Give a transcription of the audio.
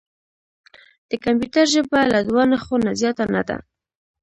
د کمپیوټر ژبه له دوه نښو نه زیاته نه ده.